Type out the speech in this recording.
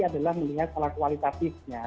adalah melihat salah kualitatifnya